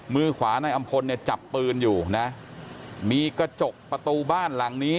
มือขวานายอำพลเนี่ยจับปืนอยู่นะมีกระจกประตูบ้านหลังนี้